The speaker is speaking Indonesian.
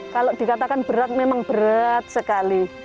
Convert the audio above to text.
kalau dikatakan berat memang berat sekali